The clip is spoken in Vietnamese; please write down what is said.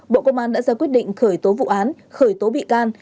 bộ công an đã ra quyết định khởi tố vụ án khởi tố bị can